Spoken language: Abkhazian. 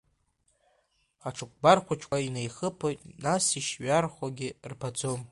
Ацәыкәбар хәыҷқәа неихыԥоит, нас ишҩархогьы рбаӡом.